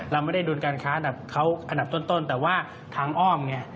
เราไม่ได้ดุลการค้าอันดับเขาอันดับต้นแต่ว่าทางอ้อมไง